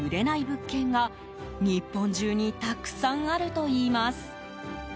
物件が日本中にたくさんあるといいます。